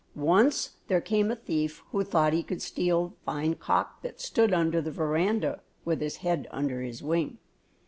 Once there came a thief who thought he could steal the fine cock that stood under the veranda with his head under his wing.